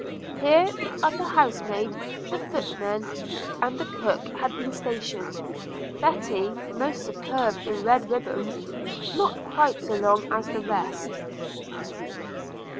Here the upper house maid, the footmen, and the cook had been stationed – Betty, most superb in red ribbands, not quite so long as the rest.